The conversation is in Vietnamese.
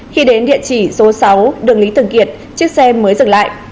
khi đến địa chỉ số sáu đường lý thường kiệt chiếc xe mới dừng lại